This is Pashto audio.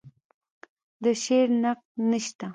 د شعر نقد نشته